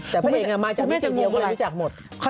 แต่พระเอกมาจากมิติเดียวก็ไม่รู้จักหมดคุณแม่จะงงอะไร